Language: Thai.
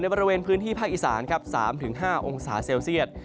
บริเวณพื้นที่ภาคอีสานครับ๓๕องศาเซลเซียต